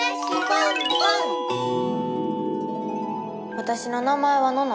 わたしの名前はのの。